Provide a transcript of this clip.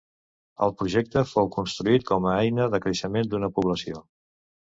El projecte fou construït com a eina de creixement d'una població.